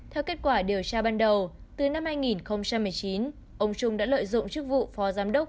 theo kết quả điều tra ban đầu từ năm hai nghìn một mươi chín ông trung đã lợi dụng chức vụ phó giám đốc